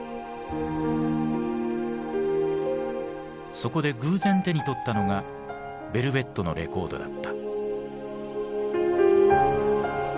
そこで偶然手に取ったのがヴェルヴェットのレコードだった。